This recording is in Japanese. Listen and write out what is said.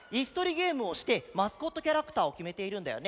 ゲームをしてマスコットキャラクターをきめているんだよね？